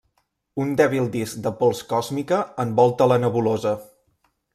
Un dèbil disc de pols còsmica envolta la nebulosa.